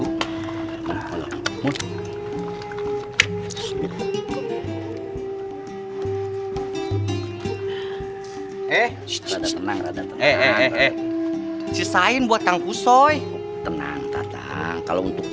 eh cipta tenang tenang eh eh eh eh ciptain buat tangku soi tenang tatang kalau untuk